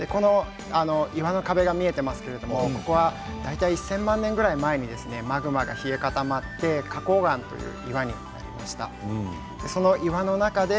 壁が見えていますけれどここは１０００万年ぐらい前にマグマが冷え固まって花こう岩という岩になったものです。